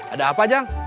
ada apa jang